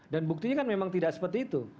dan buktinya kan memang tidak seperti itu